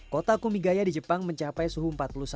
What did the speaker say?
kota kumigaya di jepang mencapai suhu empat puluh satu